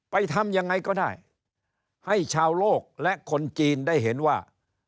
ทำยังไงก็ได้ให้ชาวโลกและคนจีนได้เห็นว่า